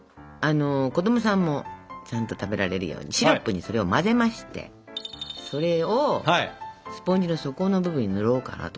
子供さんもちゃんと食べられるようにシロップにそれを混ぜましてそれをスポンジの底の部分に塗ろうかなと。